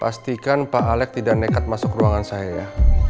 pastikan pak alec tidak nekat masuk ruangan saya ya